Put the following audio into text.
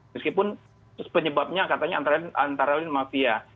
meskipun penyebabnya katanya antara lain mafia